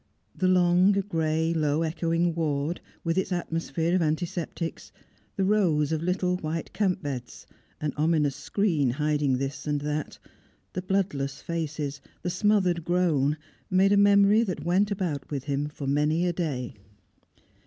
The long, grey, low echoing ward, with its atmosphere of antiseptics; the rows of little white camp beds, an ominous screen hiding this and that; the bloodless faces, the smothered groan, made a memory that went about with him for many a day.